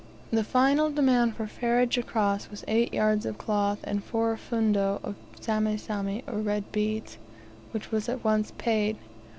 The final demand for ferriage across was eight yards of cloth and four fundo* of sami sami, or red beads; which was at once paid.